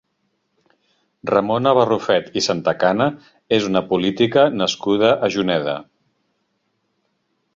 Ramona Barrufet i Santacana és una política nascuda a Juneda.